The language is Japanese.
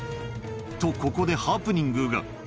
と、ここでハプニングが。